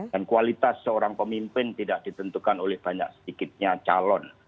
dan kualitas seorang pemimpin tidak ditentukan oleh banyak sedikitnya calon